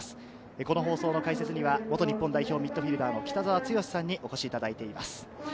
この放送の解説には元日本代表、ミッドフィルダーの北澤豪さんにお越しいただいています。